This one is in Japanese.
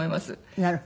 なるほどね。